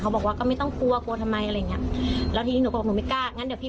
เขาบอกว่าก็ไม่ต้องกลัวกลัวทำไมอะไรอย่างนี้